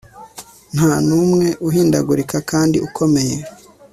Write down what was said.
ntanumwe uhindagurika kandi ukomeye